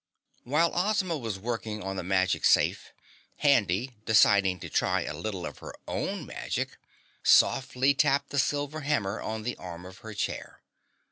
While Ozma was working on the magic safe, Handy, deciding to try a little of her own magic, softly tapped the silver hammer on the arm of her chair.